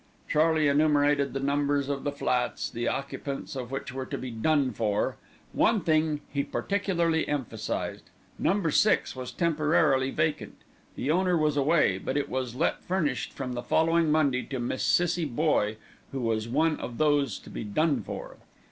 Charlie enumerated the numbers of the flats, the occupants of which were to be "done for." One thing he particularly emphasised, Number Six was temporarily vacant. The owner was away; but it was let furnished from the following Monday to a Miss Cissie Boye, who was one of those to be "done for."